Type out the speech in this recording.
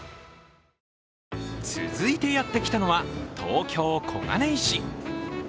続いてやってきたのは東京・小金井市。